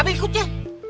pape udah siap nih